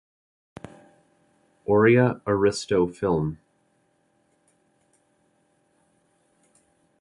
Aurea Aristo Film.